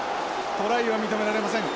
トライは認められません。